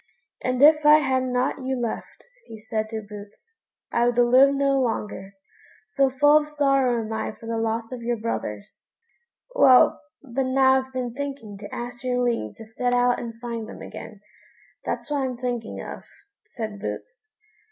"And if I had not you left," he said to Boots, "I would live no longer, so full of sorrow am I for the loss of your brothers." "Well, but now I've been thinking to ask your leave to set out and find them again; that's what I'm thinking of," said Boots.